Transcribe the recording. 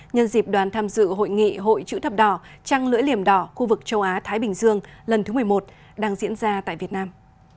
nhân dịp đoàn tham dự hội nghị hội chữ thập đỏ trăng lưỡi liềm đỏ khu vực châu á thái bình dương lần thứ một mươi một đang diễn ra tại việt nam